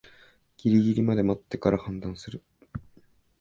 ギリギリまで待ってから判断する